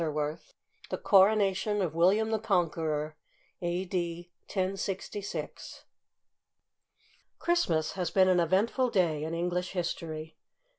D. 800. ..t' THE CORONATION OF WILLIAM THE CONQUEROR, A. D. 1066. /^^HRISTMAS has been an eventful day in English history.